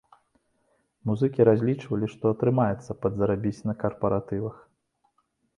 Музыкі разлічвалі, што атрымаецца падзарабіць на карпаратывах.